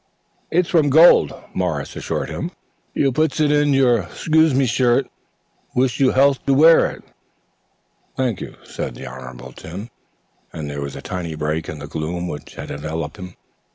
"It's from gold," Morris assured him. "You puts it in your 'scuse me shirt. Wish you health to wear it." "Thank you," said the Honorable Tim, and there was a tiny break in the gloom which had enveloped him.